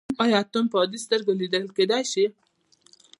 ایا اتوم په عادي سترګو لیدل کیدی شي.